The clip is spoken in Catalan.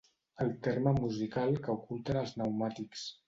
El terme musical que oculten els pneumàtics.